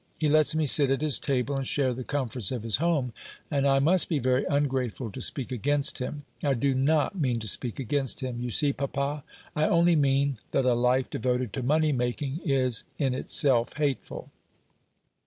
He lets me sit at his table and share the comforts of his home, and I must be very ungrateful to speak against him. I do not mean to speak against him, you see, papa I only mean that a life devoted to money making is in itself hateful."